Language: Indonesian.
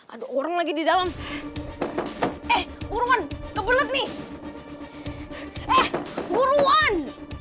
ada orang lagi di dalam eh uruan kebelet nih eh uruan